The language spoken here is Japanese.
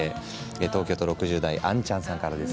東京都６０代の方からです。